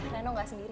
reno gak sendiri